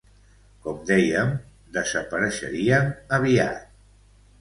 Com dèiem desapareixerien aviat.